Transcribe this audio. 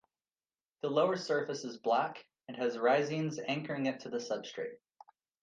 The lower surface is black and has rhizines anchoring it to the substrate.